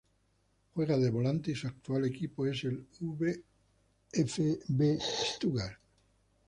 Juega de volante y su actual equipo es el VfB Stuttgart.